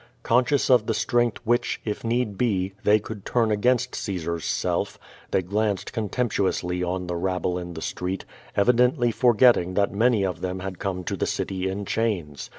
Conscious of the strength which, if need be, they could turn against Caesar's self, they glanced contemptuously on the rabble in the street, evidently forgetting that many of them had come to the city in chains.